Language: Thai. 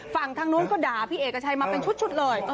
ฝั่งทางนู้งก็ด่าพี่เอกชัยมาบรรดิประจำทุดเลย